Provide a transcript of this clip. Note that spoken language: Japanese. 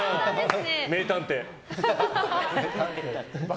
名探偵！